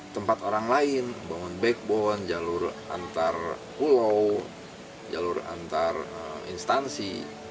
tempat orang lain bangun backbone jalur antar pulau jalur antar instansi